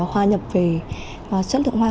hoa nhập về và chất lượng hoa